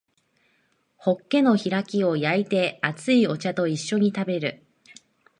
ホッケの開きを焼いて熱いお茶と一緒に食べる